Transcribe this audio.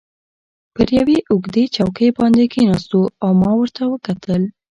پر یوې اوږدې چوکۍ باندې کښېناستو او ما ورته وکتل.